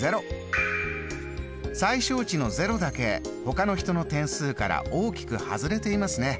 最小値の０だけほかの人の点数から大きく外れていますね。